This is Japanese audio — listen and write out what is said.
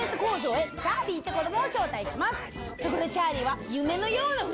そこでチャーリーは。